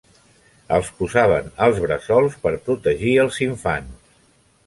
Els posaven als bressols per protegir els infants.